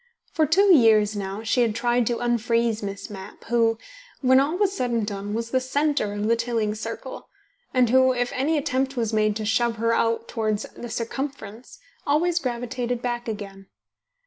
For two years now she had tried to unfreeze Miss Mapp, who, when all was said and done, was the centre of the Tilling circle, and who, if any attempt was made to shove her out towards the circumference, always gravitated back again.